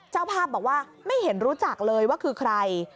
เจ้าภาพบอกว่าไม่เห็นรู้จักเลยว่าคือใคร